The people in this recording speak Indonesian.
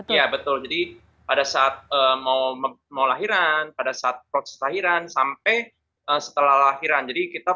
iya betul jadi pada saat mau lahiran pada saat proses lahiran sampai setelah lahiran jadi kita